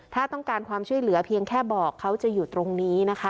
ถ้าต้องการความช่วยเหลือเพียงแค่บอกเขาจะอยู่ตรงนี้นะคะ